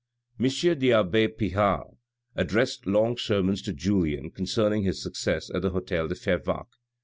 M. the abbe Pirard addressed long sermons to Julien concerning his success at the hotel de Fervaques.